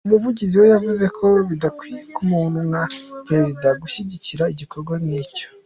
Umuvugizi we yavuze ko “bidakwiye ku muntu nka Perezida gushyigikira igikorwa nk’icyo.